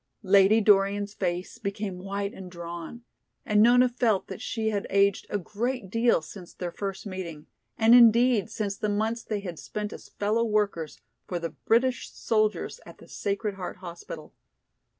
Lady Dorian's face became white and drawn and Nona felt that she had aged a great deal since their first meeting, and indeed since the months they had spent as fellow workers for the British soldiers at the Sacred Heart Hospital.